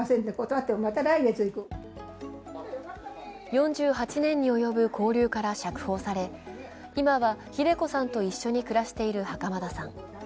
４８年に及ぶ勾留から釈放され、今はひで子さんと一緒に暮らしている袴田さん。